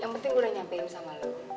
yang penting gue udah nyampein sama lo